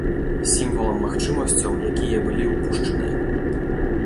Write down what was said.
Сімвалам магчымасцяў, якія былі ўпушчаныя.